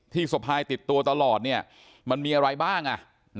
ที่สภายติดตัวตลอดเนี่ยมันมีอะไรบ้างอ่ะ